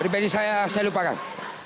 pribadi saya saya lupakan